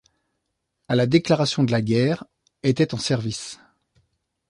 A la déclaration de la guerre, étaient en service.